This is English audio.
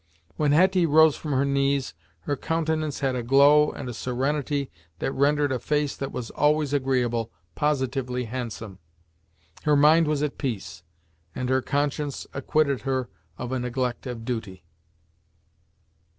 When Hetty rose from her knees, her countenance had a glow and serenity that rendered a face that was always agreeable, positively handsome. Her mind was at peace, and her conscience acquitted her of a neglect of duty.